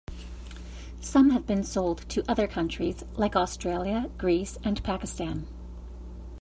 Some have been sold to other countries like Australia, Greece, and Pakistan.